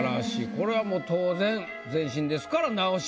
これはもう当然前進ですから直しは。